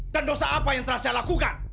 dan dosa apa yang telah saya lakukan